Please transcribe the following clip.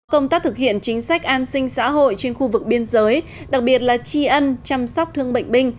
công tác thực hiện chính sách an sinh xã hội trên khu vực biên giới đặc biệt là tri ân chăm sóc thương bệnh binh